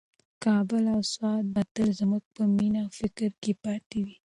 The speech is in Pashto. کابل او سوات به تل زموږ په مینه او فکر کې پاتې وي.